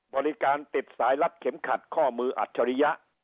บริการติดสายรัดเข็มขัดข้อมืออัจฉริยะ